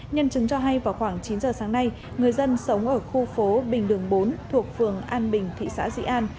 nhân chứng cho hay vào khoảng chín giờ sáng nay người dân sống ở khu phố bình đường bốn thuộc phường an bình thị xã dĩ an